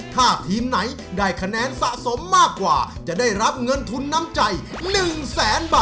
ถ้าทีมไหนได้คะแนนสะสมมากกว่าจะได้รับเงินทุนน้ำใจ๑แสนบาท